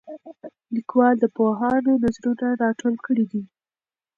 لیکوال د پوهانو نظرونه راټول کړي دي.